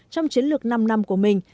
trong chiến lược năm năm của mình